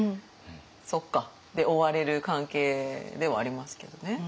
「そっか」で終われる関係ではありますけどね。